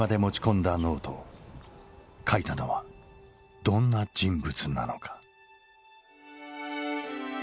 書いたのはどんな人物なのか。